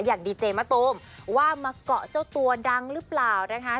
อย่างดีเจมะตูมว่ามาเกาะเจ้าตัวดังหรือเปล่านะคะ